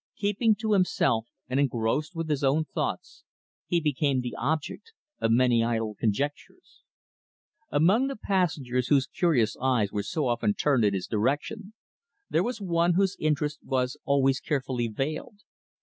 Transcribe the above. Keeping to himself, and engrossed with his own thoughts, he became the object of many idle conjectures. Among the passengers whose curious eyes were so often turned in his direction, there was one whose interest was always carefully veiled.